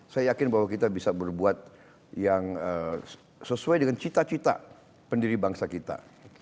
saya yakin bahwa kita bisa berbuat yang sesuai dengan cita cita pendiri bangsa kita